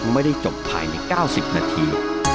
ไม่ได้จบภายในเก้าสิบนาที